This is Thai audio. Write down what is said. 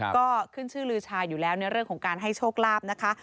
ก็ขึ้นชื่อลือชาอยู่แล้วในเรื่องของการให้โชคลาภนะคะ